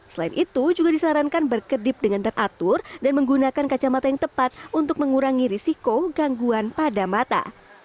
selain itu juga disarankan berkedip dengan teratur dan menggunakan kacamata yang tepat untuk mengurangi risiko gangguan pada mata